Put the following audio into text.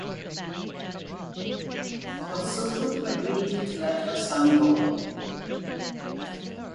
Nosuthu agreed to let her son go.